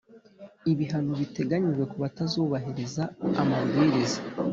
ibihano biteganyijwe kubatazubahiriza amabwiriza